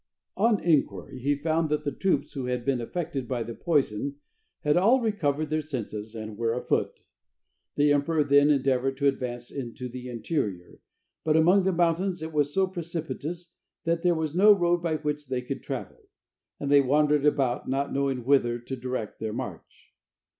On inquiry he found that the troops who had been affected by the poison had all recovered their senses and were afoot. The emperor then endeavored to advance into the interior, but among the mountains it was so precipitous that there was no road by which they could travel. And they wandered about not knowing whither to direct their march.